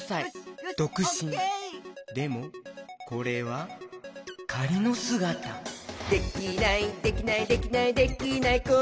でもこれはかりのすがた「できないできないできないできない子いないか？」